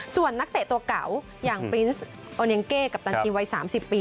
ส่วนนักเตะตัวเก่าอย่างปรินส์โอเนียงเก้กัปตันทีวัย๓๐ปี